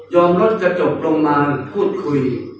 ยอมรถจัดจบลงมาพูดคุย